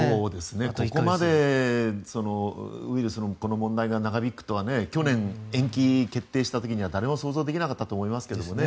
ここまでウイルスの問題が長引くとは去年、延期が決定した時には誰も想像できなかったと思いますけどね。